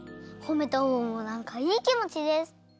ほめたほうもなんかいいきもちです！